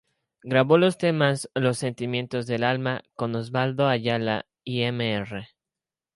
Grabó los temas "Los Sentimientos del alma", con Osvaldo Ayala y Mr.